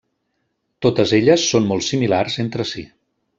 Totes elles són molt similars entre si.